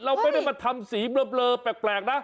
เราไม่ได้มาทำสีเบลอแปลกนะ